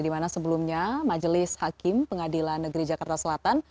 di mana sebelumnya majelis hakim pengadilan negeri jakarta selatan